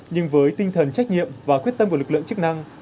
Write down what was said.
nhưng với tinh thần trách nhiệm và quyết tâm của lực lượng chức năng